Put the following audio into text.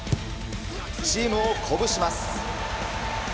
チームを鼓舞します。